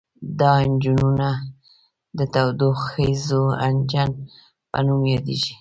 دا انجنونه د تودوخیز انجن په نوم یادیږي.